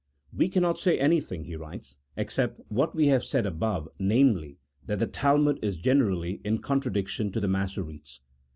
" We cannot say anything," he writes, " except what we have said above, namely, that the Talmud is generally in contradiction to the Massoretes."